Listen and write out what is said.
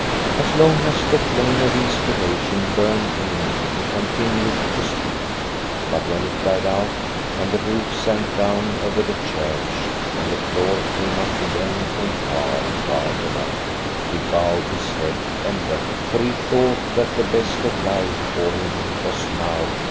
As long as the flame of inspiration burned in him he continued to speak, but when it died out, and the roof sank down over the church, and the floor came up again from far, far below, he bowed his head and wept, for he^ thought that the best of life, for him, was now over.